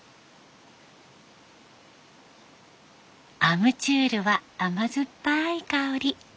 アムチュールは甘酸っぱい香り。